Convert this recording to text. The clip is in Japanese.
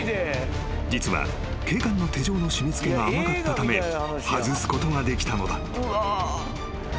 ［実は警官の手錠の締め付けが甘かったため外すことができたのだ］